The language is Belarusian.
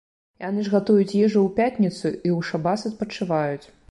Яны ж гатуюць ежу ў пятніцу і ў шабас адпачываюць.